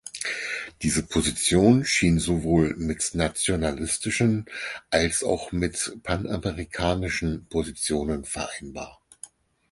Diese Position schien sowohl mit nationalistischen als auch mit panamerikanischen Positionen vereinbar.